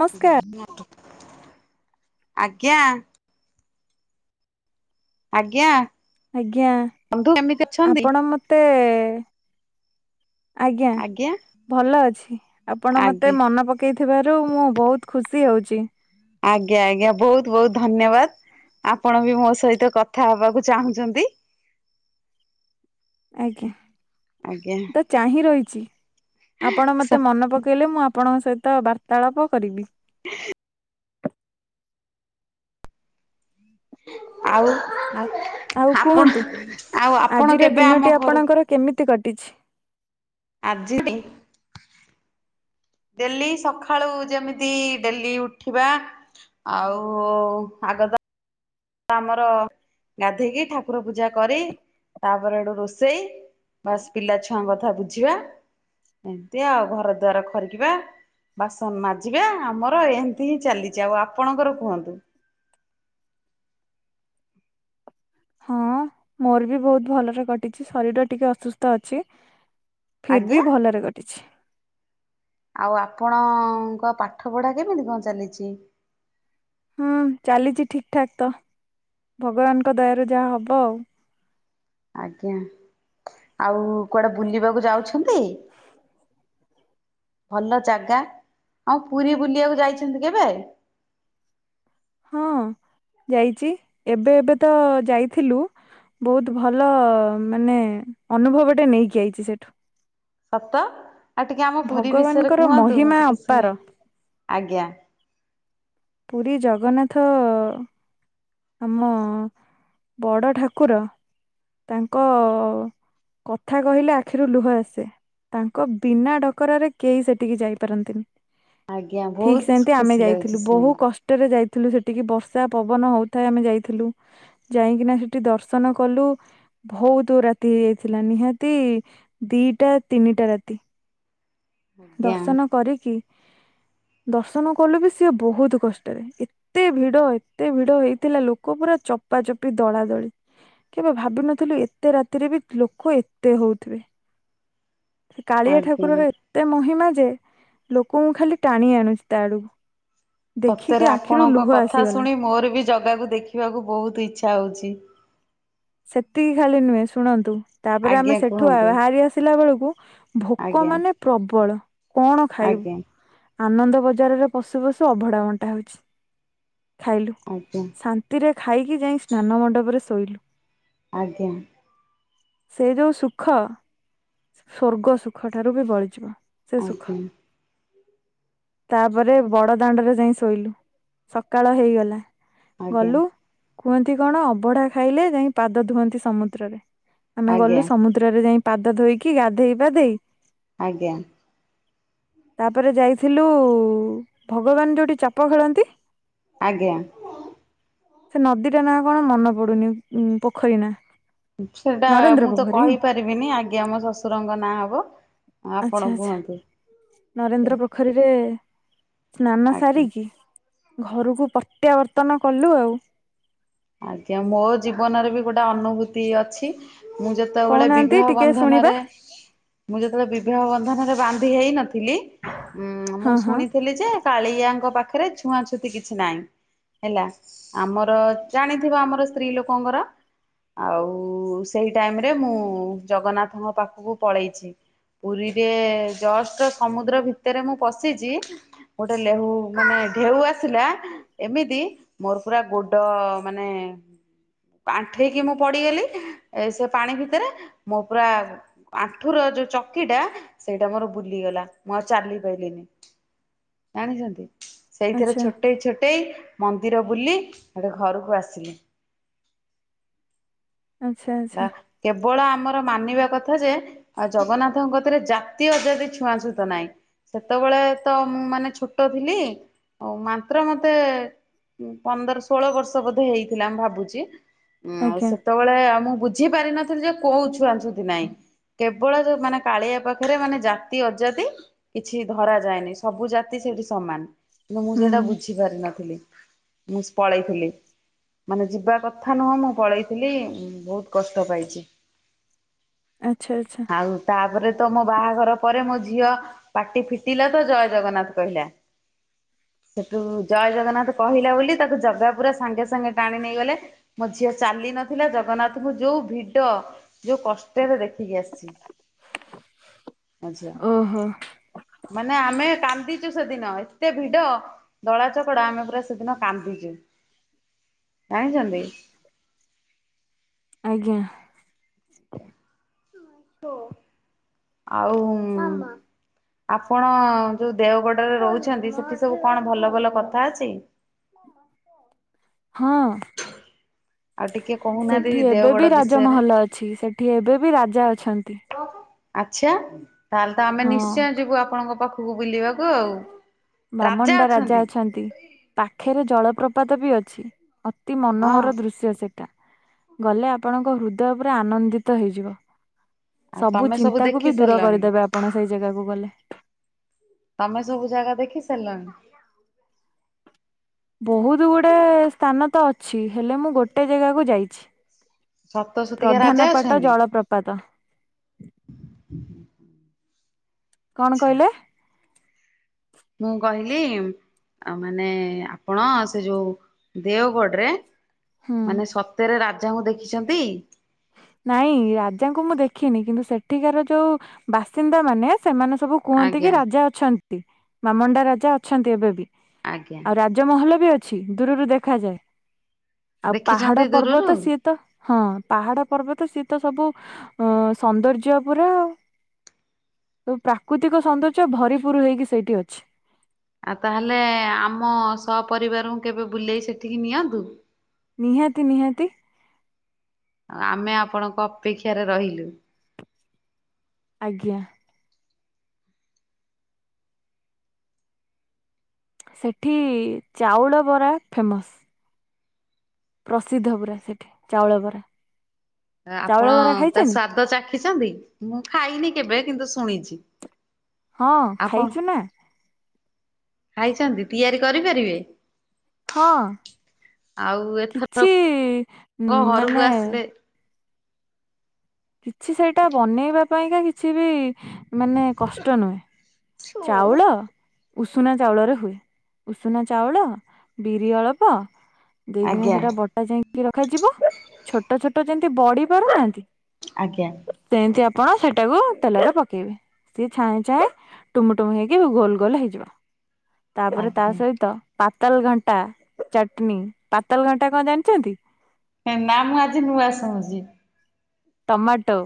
ନମସ୍କାର ଆଜ୍ଞା। ଆଜ୍ଞା। ଆଜ୍ଞା ବନ୍ଧୁ କେମିତି ଅଛନ୍ତି? ଆପଣ ମତେ-ଏ ଆଜ୍ଞା ଭଲ ଅଛି। ଆପଣ ମତେ ଆଜ୍ଞା ମନେ ପକେଇଥିବାରୁ ମୁଁ ବହୁତ ଖୁସି। ତି ହଉଛି। ଆଜ୍ଞା ଆଜ୍ଞା ବହୁତ ବହୁତ ଧନ୍ୟବାଦ। ଆପଣ ବି ମୋ ସହିତ କଥା ହବାକୁ ଚାହୁଁଛନ୍ତି। ଆଜ୍ଞା। ଆଜ୍ଞା ତ ଚାହିଁ ରହିଛି ଆପଣ ସ ମତେ ମନେ ପକେଇଲେ ମୁଁ ଆପଣଙ୍କ ସହିତ ତ ବାର୍ତ୍ତାଳପ କରିବି। ଆଉ ଆ ଆଉ ଆପଣ କୁହନ୍ତୁ ଆଉ ଆପଣ ଆଜିର କେବେ ଆମ ଦିନଟି ଘରୁ ଆପଣଙ୍କର କେମିତି କ ଟିଛି। ଆଜି ଡେଲି ସକାଳୁ ଯେମିତି ଡେଲି ଉଠିବା ଆଉ ଆଗଦ ଆମର ଗାଧେଇକି ଠାକୁର ପୂଜା କରି ତାପରେ ଏଠୁ ରୋଷେଇ ବାସ୍ ପିଲା ଛୁଆଙ୍କ କଥା ବୁଝିବା ଏମିତି ଆଉ ଘର ଦ୍ୱାର ଖରିକିବା। ବାସନ ମାଜିବା ଆମର ଏମତି ହିଁ ଚାଲିଛି ଆଉ ଆପଣଙ୍କର କୁହନ୍ତୁ। ହଁ ମୋର ବି ବହୁତ ଭଲରେ କଟିଛି ଶରୀର ଟିକେ ଅସୁସ୍ଥ ଅଛି। ଫିର ଆଜ୍ଞା ବି ଭଲରେ କଟିଛି। ଆଉ ଆପଣଙ୍କ ପାଠ ପଢା କେମିତି କଣ ଚାଲିଛି? ହୁଁ ଚାଲିଛି ଠିକ ଠାକ ତ ଭଗବାନଙ୍କ ଦୟାରୁ ଯାହା ହବ ଆଉ। ଆଜ୍ଞା ଆଉ କୁଆଡେ ବୁଲିବାକୁ ଯାଉଛନ୍ତି? ଭଲ ଜାଗା ଆଉ ପୁରୀ ବୁଲିବାକୁ ଯାଇଛନ୍ତି କେବେ? ହଁ ଯାଇଛି ଏବେ ଏବେ ତ ଯାଇଥିଲୁ ବହୁତ ଭଲ ମାନେ ଅନୁଭବଟେ ନେଇକି ଆଇଚି ସେଠୁ। ସତ ଆଉ ଟିକେ ଆମ ପୁରୀ ବିଷୟରେ ଭଗବାନଙ୍କର କୁହନ୍ତୁ ମୁଁ ମହିମା ଟିକେ ଶୁଣେ ଅପାର ଆଜ୍ଞା। ପୁରୀ ଜଗନ୍ନାଥ ଆମ ବଡ ଠାକୁର ତାଙ୍କ କଥା କହିଲେ ଆଖିରୁ ଲୁହ ଆସେ। ତାଙ୍କ ବିନା ଡକରାରେ କେହି ସେଠିକି ଯାଇପାରନ୍ତିନି। ଆଜ୍ଞା ଠିକ ବହୁତ ସେମତି ଆମେ ଖୁସି ଲାଗୁଛି ଯାଇଥିଲୁ ବହୁ ଶୁଣିକି କଷ୍ଟରେ ଯାଇଥିଲୁ ସେଠିକି ବର୍ଷା ପବନ ହଉଥାଏ ଆମେ ଯାଇଥିଲୁ ଯାଇକିନା ସେଠି ଦର୍ଶନ କଲୁ। ବହୁତ ରାତି ହେଇଯାଇଥିଲା ନିହାତି ଦିଟା ତିନିଟା ରାତି। ଆଜ୍ଞା ଦର୍ଶନ କରିକି ଦର୍ଶନ କଲୁ ବି ସିଏ ବହୁତ କଷ୍ଟରେ ଏତେ ଭିଡ ଏତେ ଭିଡ ହେଇଥିଲା ଲୋକ ପୁରା ଚପା ଚପି ଦଳା ଦଳି। କେବେ ଭାବିିନଥିଲୁ ଏତେ ରାତିରେ ବି ଲୋକ ଏତେ ହଉଥିବେ। ସେ କାଳିଆ ଆଜ୍ଞା। ଠାକୁରର ମା ଯେ ଲୋକ ଙ୍କୁ ଖାଲି ଟାଣି ଆଣୁଛି ତା ଆଡ଼କୁ। ସତରେ ଆପଣଙ୍କ କଥା ଶୁଣି ମୋର ବି ଜଗାକୁ ଦେଖିବାକୁ ବହୁତ ଇଚ୍ଛା ହଉଛି। ସେତିକି ଖାଲି ନୁହେଁ ଶୁଣନ୍ତୁ ତାପରେ ଆମେ ଆଜ୍ଞା ସେଠୁ କୁହନ୍ତୁ ବାହାରି ଆସିଲା ବେଳକୁ ଭୋକ ଆଜ୍ଞା ମାନେ ପ୍ରବଳ କଣ ଖାଇବୁ? ଆଜ୍ଞା ଆନନ୍ଦ ବଜାରରେ ପଶୁ ପଶୁ ଅଭଡା ବଣ୍ଟା ହଉଛି। ଖାଇଲୁ ଆଜ୍ଞା ଶାନ୍ତିରେ ଖାଇକି ଯାଇ ସ୍ନାନ ମଣ୍ଡପରେ ଶୋଇଲୁ। ଆଜ୍ଞା। ସେଇ ଯୋଉ ସୁଖ ସ୍ଵର୍ଗ ସୁଖ ଠାରୁ ବି ବଳିଯିବ। ସେ ସୁଖ। ଆଜ୍ଞା। ତାପରେ ବଡ ଦାଣ୍ଡରେ ଯାଇ ଶୋଇଲୁ ସକାଳ ହେଇଗଲା। ଗଲୁ କୁହନ୍ତି କଣ ଅଭଡା ଖାଇଲେ ଯାଇ ପାଦ ଧୁଅନ୍ତି ସମୁଦ୍ରରେ। ଆମେ ଆଜ୍ଞା ଗଲୁ ସମୁଦ୍ରରେ ଯାଇ ପାଦ ଧୋଇକି ଗାଧେଇ ପାଧେଇ ଆଜ୍ଞା। ତାପରେ ଯାଇଥିଲୁ ଭଗବାନ ଯୋଉଠି ଚାପ ଖେଳନ୍ତି ଆଜ୍ଞା। ସେ ନଦୀଟା ନା କଣ, ମନେ ପଡୁନି, ଉ ପୋଖରୀ ନା? ସେଟା ନରେନ୍ଦ୍ର ମୁଁ ତ ପୋଖରୀ କହିପାରିବିନି, ଆଜ୍ଞା। ଆମ ଶ୍ୱଶୁରଙ୍କ ନାଁ ହବ। ଆପଣ ଆଛା, ଆଛା, କୁହନ୍ତୁ ଆଜ୍ଞା ନରେନ୍ଦ୍ର ପୋଖରୀରେ ସ୍ନାନ ଆଜ୍ଞା। ସାରିକି ଘରକୁ ପ୍ରତ୍ୟାବର୍ତ୍ତନ କଲୁ ଆଉ ଆଜ୍ଞା, ମୋ ଜୀବନରେ ବି ଗୋଟେ ଅନୁଭୂତି ଅଛି। ମୁଁ ଯେତେବେଳେ କହୁନାହାନ୍ତି ବିବାହ ଟିକେ ଶୁଣିବା ବନ୍ଧନରେ, ମୁଁ ଯେତେବେଳେ ବିବାହ ବନ୍ଧନରେ ବାନ୍ଧ ହେଇ ନଥିଲି, ଉଁ ମୁଁ ହଁ ହଁ ଶୁଣିଥିଲି ଯେ -କାଳିଆଙ୍କ ପାଖ ପାଖରେ ଛୁଆଁ ଛୁତି କିଛି ନାହିଁ ହେଲା, ଆମର ଜାଣିଥିବ, ଆମର ସ୍ତ୍ରୀ ଲୋକଙ୍କର ଆଉ ସେଇ ଟାଇମ ରେ ମୁଁ ଜଗନ୍ନାଥଙ୍କ ପାଖକୁ ପଳେଇଛି। ପୁରୀରେ ଜଷ୍ଟ ସମୁଦ୍ର ଭିତରେ ମୁଁ ପଶିଛି, ଗୋଟେ ଲେହୁ ମାନେ ଢେଉ ଆସିଲା, ଏମିତି ମୋର ପୁରା ଗୋଡ ମାନେ ଆଣ୍ଠୁେଇକି ମୁଁ ପଡିଗଲି, ଏ ସେ ପାଣି ଭିତରେ ମୋ ପୁରା ଆଣ୍ଠୁ ର ଯୋଉ ଚକି ଟା ସେଇଟା ମୋର ବୁଲିଗଲା, ମୁଁ ଆଉ ଚାଲି ପାରଲିିନି। ଜାଣିଛନ୍ତି? ସେଇଥିରେ ଆଚ୍ଛା ଛୋଟେଇ, ଛୋଟେଇ, ମନ୍ଦିର ବୁଲି ଗୋଟେ ଘରକୁ ଆସିଲି। ଆଚ୍ଛା ବା ଆଚ୍ଛା କେବଳ ଆମର ମାନିବା କଥା ଯେ -ଜଗନ୍ନାଥଙ୍କ ରେ ଜାତି ଅଜାତି ଛୁଆଁ ଛୁତ ନାହିଁ। ସେତେବେଳେ ତ ମୁଁ ମାନେ ଛୋଟ ଥିଲି ଆଉ ମାତ୍ର ମତେ ପନ୍ଦର ଷୋହଳ ବର୍ଷ ବୋଧେ ହେଇଥିଲା ମୁ ଭାବୁଛି, ଉ ଆଜ୍ଞା ସେତେବେଳେ ଆଉ ମୁଁ ବୁଝି ପାରିିନଥିଲି ଯେ -କୋଉ ଛୁଆଛୁତି ନାଇଁ କେବଳ ଯୋଉ ମାନେ କାଳିଆ ପାଖରେ ମାନେ ଜାତି ଅଜାତି କିଛି ଧରା ଯାଏନି, ସବୁ ଜାତି ସେଠି ସମାନ କିନ୍ତୁ ମୁଁ ହୁଁ ସେଇଟା ବୁଝି ପାରିିନଥିଲି। ମୁଁ ପଳେଇଥିଲି, ମାନେ ଯିବା କଥା ନୁହଁ ମୁଁ ପଳେଇଥିଲି ବହୁତ କଷ୍ଟ ପାଇଛି ଆଚ୍ଛା ଆଚ୍ଛା ଆଉ ତାପରେ ତମ ବାହାଘର ତା ପରେ ମୋ ଝିଅ ପାଟି ଫିଟିଲା ତ ଜୟ ଜଗନ୍ନାଥ କହିଲା। ସେଠୁ ଜୟ ଜଗନ୍ନାଥ କହିଲା ବୋଲି, ତାକୁ ଜଗା ପୁରା ସାଙ୍ଗେ ସାଙ୍ଗେ ଟାଣି ନେଇ ଗଲେ, ମୋ ଝିଅ ଚାଲି ନଥିଲା ଜଗନ୍ନାଥଙ୍କୁ, ଯୋଉ ଭିଡ ଯୋଉ କଷ୍ଟରେ ଦେଖିକି ଆସିଛି। ଓହୋ ମାନେ ଆମେ କାନ୍ଦିଚୁ ସେଦିନ, ଏତେ ଭିଡ ଦଳା ଚକଡା, ଆମେ ପୁରା ସେଦିନ କାନ୍ଦିଛୁ। କାହିଁଛନ୍ତି। ଆଜ୍ଞା। ଆଉ ଆପଣ ଯୋଉ ଦେଓଗଡରେ ରହୁଛନ୍ତି, ସେଠି ସବୁ କଣ ଭଲ ଭଲ କଥା ଅଛି। ଅଛ [unintelligible] ହଁ ଆଉ ଟିକେ କହୁନାହାନ୍ତି ସେଠି ଏବେ ଦେଓଗଡ ବି ବିଷୟରେ। ରାଜମହଲ ଅଛି, ସେଠି ଏବେ ବି ରାଜା ଅଛନ୍ତି। ଆଛା, ତାହେଲେ ତ ଆମେ ହଁ ନିଶ୍ଚୟ ଯିବୁ, ଆପଣଙ୍କ ପାଖକୁ ବୁଲିବାକୁ ଆଉ ବାମଣ୍ଡା ରାଜା ଅଛନ୍ତି, ପାଖରେ ଜଳପ୍ରପାତ ବି ଅଛି। ଅତି ହଁ ମନୋହର ଦୃଶ୍ୟ ସେଇଟା। ଗଲେ ଆପଣଙ୍କ ହୃଦୟ ଉପରେ ଆନନ୍ଦିତ ହେଇଯିବ। ଆଉ ସବୁ ତମେ ଚିନ୍ତା କୁ ଦେଖି ବି ଦୂର ସାରିଲଣି। କରିଦେବେ, ଆପଣ ସେଇ ଜାଗାକୁ ଗଲେ। ତମେ ସବୁ ଜାଗା ଦେଖି ସାରିଲଣି? ବହୁତ ଗୁଡା ସ୍ଥାନ ତ ଅଛି, ହେଲେ ମୁଁ ଗୋଟେ ଜାଗାକୁ ଯାଇଛି। ସତସତିକା ରାଜା ପ୍ରଧାନ ପାଟ ଅଛନ୍ତି। ଜଳପ୍ରପାତ। କଣ ଆଛା କହିଲେ? ମୁଁ କହିଲି। ମାନେ, ଆପଣ ସେ ଯୋଉ' ଦେଓଗଡରେ ହୁଁ ମାନେ ସତରେ, ରାଜାଙ୍କୁ ଦେଖିଛନ୍ତି? ନାଇଁ ରାଜାଙ୍କୁ ମୁଁ ଦେଖିନି। କିନ୍ତୁ ସେଠିକାର, ଯୋଉ ବାସିନ୍ଦା ମାନେ ସେମାନେ ସବୁ କୁହନ୍ତି, ଆଜ୍ଞା କି ରାଜା ଅଛନ୍ତି। ଵାମଣ୍ଡା ରାଜା ଅଛନ୍ତି, ଏବେ ବି। ଆଜ୍ଞା। ଆଉ ରାଜମହଲ ବି ଅଛି। ଦୂରରୁ, ଦେଖାଯାଏ। ଆଉ' ପାହାଡ ଦେଖିଛନ୍ତି ଦୂରରୁ? ପର୍ବତ ସିଏତ, ହଁ ପାହାଡ ପର୍ବତ ସିଏ ତ, ସବୁ ସୌନ୍ଦର୍ଯ୍ୟ ପୁରା ଆଉ। ତ, ପ୍ରାକୃତିକ ସୌନ୍ଦର୍ଯ୍ୟ, ଭରିପୁର ହେଇକି ସେଇଠି ଅଛି। ଆଉ'ତାହେଲେ ଆମ ସପରିବାରଙ୍କୁ, କେବେ ବୁଲେଇ ସେଠିକି ନିଅନ୍ତୁ? ନିହାତି, ନିହାତି। ଆଉ, ଆମେ ଆପଣଙ୍କ ଅପେକ୍ଷାରେ ରହିଲୁ। ଆଜ୍ଞା। ସେଠି ଚାଉଳ ବରା ଫେମସ। ପ୍ରସିଦ୍ଧ ପୁରା ସେଠି, ଚାଉଳ ବରା। ଆ, ଚାଉଳ ଆପଣ ବରା ତା ଖାଇଛନ୍ତି ସ୍ଵାଦ ଚାଖିଛନ୍ତି। ମୁଁ ଖାଇନି କେବେ। କିନ୍ତୁ ଶୁଣିଛି। ହଁ ଆପଣ ଖାଇଛୁ ନା? ଖାଇଛନ୍ତି, ତିଆରି କରିପାରିବେ? ହଁ। ଆଉ ଏଥରକ କିଛି, ଘରକୁ ମାନେ ଆସିଲେ କିଛି ସେଇଟା, ବନେଇବା ପାଇଁକା କିଛି ବି ମାନେ କଷ୍ଟ ନୁହେଁ। ଚାଉଳ, ଉଷୁନା ଚାଉଳରେ ହୁଏ। ଉଷୁନା ଚାଉଳ, ବିରି ଅଳ୍ପ ଦେଇକିନି ଆଜ୍ଞା ସେଇଟା ବଟା ଯାଇ କି ରଖାଯିବ। ଛୋଟ, ଛୋଟ ଯେମିତି ବଢି ପାରୁନାହାନ୍ତି? ଆଜ୍ଞା। କଣ, ସେଇଟାକୁ ତେଲରେ ପକେଇବେ। ସିଏ ଛାଏଁ, ଛାଏଁ ଟୁମୁ, ଟୁମ ହେଇକି। ଗୋଲ, ଗୋଲ ହେଇଯିବ। ତାପରେ ତା ଆଜ୍ଞା ସହିତ ପା ତଲ, ଘାଣ୍ଟା ଚଟନୀ। ପାତାଲ ଘାଣ୍ଟା କଣ ଜାଣିଛନ୍ତି? ଏ ନା ମୁଁ ଆଜି ନୂଆ ଶୁଣୁଛି। ଟମାଟୋ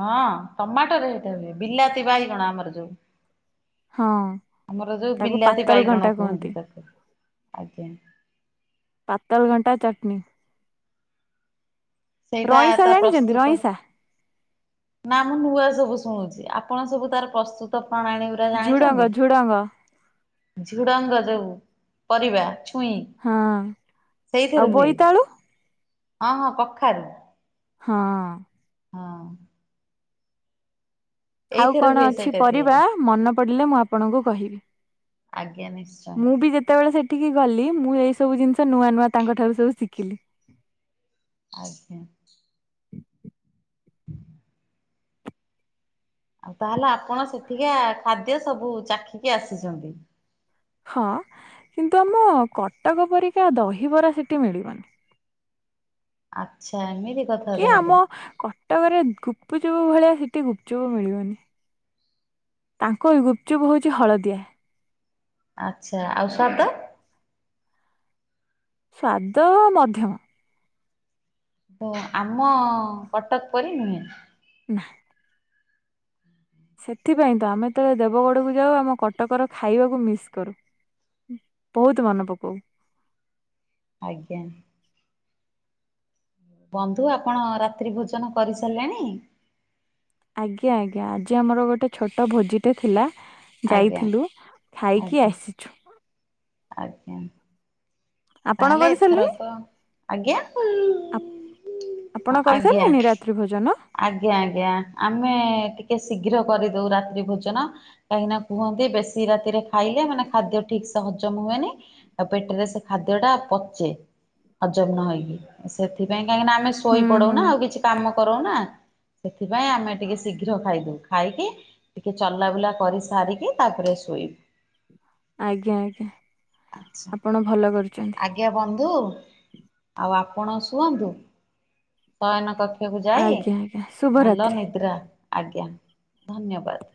ହଁ, ଟମାଟୋ ରେ ହେଇଥାଏ। ବିଲାତି, ବାଇଗଣ ଆମର ଯୋଉ ହଁ, ଆମର ଯୋଉ ତାକୁ ବିଲାତି ପାତାଲ ବାଇଗଣ ଘାଣ୍ଟା କୁହନ୍ତି କହନ୍ତି। ତାକୁ ଆଜ୍ଞା। ପାତାଲ ଘାଣ୍ଟା ଚାଟନୀ। ସେଇଟା ରଇସା ତା ଜାଣିଛନ୍ତି? ପ୍ରସ୍ତୁତ ରଇସା। ନା ମୁଁ ନୂଆ ସବୁ ଶୁଣୁଛି। ଆପଣ ସବୁ ତାର ପ୍ରସ୍ତୁତ ପ୍ରଣାଳୀ, ଗୁଡା ଝୁଡଙ୍ଗ ଜାଣିଛନ୍ତି? ଝୁଡଙ୍ଗ ଝୁଡଙ୍ଗ ଯୋଉ ପରିବା। ପୁଣି, ହଁ ଆଉ ସେଇଥିରେ ହୁଏ? ବୋଇତାଳୁ ହଁ, ହଁ କଖାରୁ ହଁ। ହଁ। ଆଉ ଏଇଥିରେ କଣ, ହୁଏ ଅଛି ସେଇଟା ପରିବା? ତିଆରି ମନେ ପଡ଼ିଲେ ମୁଁ ଆପଣଙ୍କୁ କହିବି। ଆଜ୍ଞା ନିଶ୍ଚୟ ମୁଁ ବି ଯେତେବେଳେ, ସେ ଠିକି, ଗଲି ମୁଁ ଏଇ ସବୁ ଜିନିଷ ନୂଆ, ନୂଆ ତାଙ୍କ ଠାରୁ ସବୁ ଶିଖିଲି। ଆଜ୍ଞା। ହୁଁ ଆଉ ତାହେଲେ, ଆପଣ ସେଠିକା ଖାଦ୍ୟ ସବୁ, ଚାଖିକି ଆସିଛନ୍ତି? ହଁ, କିନ୍ତୁ ଆମ କଟକ ପରିକା, ଦହିବରା ସେଠି ମିଳିବନି। ଆଚ୍ଛା ଏମି କି ଆମ କଟକରେ, ଗୁପ୍ ଚୁପ୍ ଭଳିଆ, ସେଠି ଗୁପ୍ ଚୁପ୍ ମିଳିବନି। ତାଙ୍କ ଏ ଗୁପ୍ ଚୁପ୍ ହଉଛି ହଳଦିଆ। ଆଚ୍ଛା। ଆଉ ସ୍ୱାଦ? ସ୍ଵାଦ ମଧ୍ୟମ। ତ ଆମ କଟକ ପରି ନୁହେଁ। ନା ସେଥିପାଇଁ ତ ଆମେ ତ ଦେବଗଡ଼କୁ ଯାଉ ଆମ କଟକର ଖାଇବାକୁ ମିସ୍ କରୁ। ବହୁତ ମନେ ପକଉ। ଆଜ୍ଞା। ବନ୍ଧୁ ଆପଣ ରାତ୍ରି ଭୋଜନ କରି ସାରିଲେଣି? ଆଜ୍ଞା, ଆଜ୍ଞା ଆଜି ଆମର ଗୋଟେ ଛୋଟ ଭୋଜି ଟେ ଥିଲା। ଆଜ୍ଞା। ଯାଇଥିଲୁ ଖାଇକି ଆଜ୍ଞା ଆସିଛୁ। ଆଜ୍ଞା। ତାହେଲେ ଏଥରକ, ଆଜ୍ଞା ଆପ ଆଜ୍ଞା, ଆଜ୍ଞା, ଆଜ୍ଞା ଆମେ ଟି କେ ଶୀଘ୍ର କରିଦଉ ରାତ୍ରି ଭୋଜନ। କାହିଁକିନା କୁହନ୍ତି ବେଶୀ ରାତିରେ ଖାଇଲେ ମାନେ ଖାଦ୍ୟ ଠିକ ସେ ହଜମ ହୁଏନି। ଆଉ ପେଟରେ ସେ ଖାଦ୍ୟ ଟା ପଚେ ହଜମ ନ ହେଇକି। ଅ, ସେଥିପାଇଁ କାହିଁକିନା ଆମେ ହୁଁ ଶୋଇ ହୁଁ ପଡୁନା ଆଉ କିଛି କାମ କରୁନା। ସେଥିପାଇଁ ଆମେ ଟିକେ ଶୀଘ୍ର ଖାଇଦଉ। ଖାଇକି ଟିକେ ଚଲାବୁଲା କରି ସାରିକି ତାପରେ ଶୋଇ ଆଜ୍ଞା, ଆଜ୍ଞା ଆପଣ ଭଲ କରି ଆଜ୍ଞା ବନ୍ଧୁ ଆଉ ଆପଣ ଶୁଅନ୍ତୁ। ଶୟନ କ କ୍ଷକୁ ଯାଇ ଆଜ୍ଞା ଆଜ୍ଞା ଭଲ ଶୁଭରାତ୍ରି। ନିଦ୍ରା ଆଜ୍ଞା ଧନ୍ୟବାଦ।